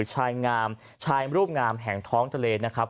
ชายงามชายรูปงามแห่งท้องทะเลนะครับ